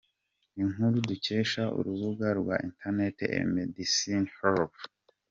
Inkuru dukesha urubuga rwa internet emedicinehealth.